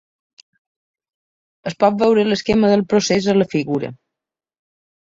Es pot veure l'esquema del procés a la figura.